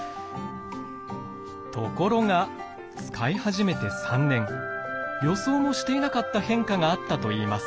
ところが使い始めて３年予想もしていなかった変化があったといいます。